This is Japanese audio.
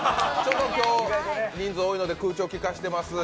今日人数多いので空調きかせてます。